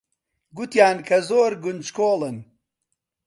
گوتیان کە زۆر کونجکۆڵن.